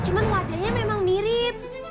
cuma wajahnya memang mirip